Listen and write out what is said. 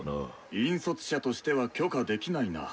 引率者としては許可できないな。